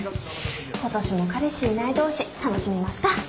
今年も彼氏いない同士楽しみますか。